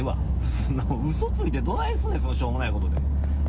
そんな、うそついてどないすんねん、そんなしょうもないこと。